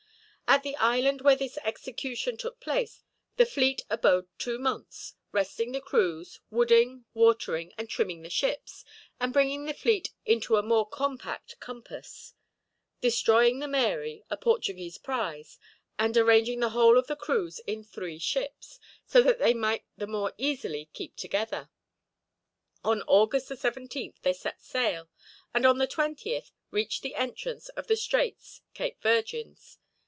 At the island where this execution took place the fleet abode two months, resting the crews, wooding, watering, and trimming the ships, and bringing the fleet into a more compact compass; destroying the Mary, a Portuguese prize, and arranging the whole of the crews in three ships, so that they might the more easily keep together. On August the 17th they set sail, and on the 20th reached the entrance to the Straits, Cape Virgins.